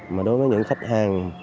mà đối với những khách hàng